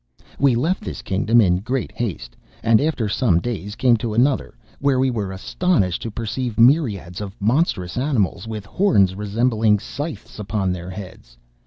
"'We left this kingdom in great haste, and, after some days, came to another, where we were astonished to perceive myriads of monstrous animals with horns resembling scythes upon their heads.